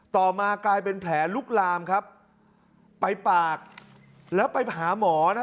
ต่อมากลายเป็นแผลลุกลามครับไปปากแล้วไปหาหมอนะ